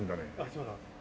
そうなんです。